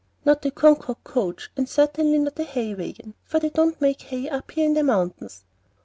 "Not a Concord coach, and certainly not a hay wagon, for they don't make hay up here in the mountains."